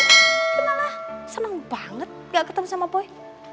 dia malah seneng banget gak ketemu sama boy